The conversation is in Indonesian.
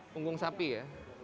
punggung sapi ya